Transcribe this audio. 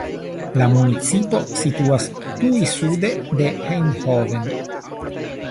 La municipo situas tuj sude de Eindhoven.